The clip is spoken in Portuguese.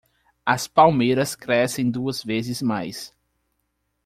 As palmeiras crescem duas vezes mais.